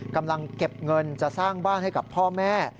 กำลังเก็บเงินจะสร้างบ้านให้กับพ่อแม่